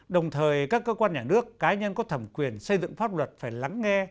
đồng thời các cơ quan nhà nước cá nhân có thẩm quyền xây dựng pháp luật phải lắng nghe